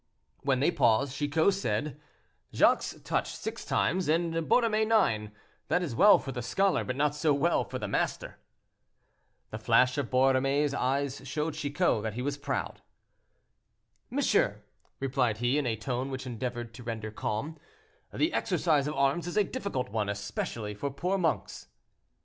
When they paused, Chicot said, "Jacques touched six times and Borromée nine; that is well for the scholar, but not so well for the master." The flash of Borromée's eyes showed Chicot that he was proud. "Monsieur," replied he, in a tone which he endeavored to render calm, "the exercise of arms is a difficult one, especially for poor monks."